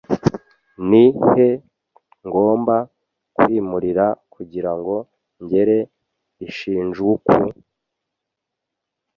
Ni he ngomba kwimurira kugirango ngere i Shinjuku?